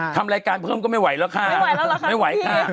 ทำรายการเพิ่มก็ไม่ไหวล่ะค่ะ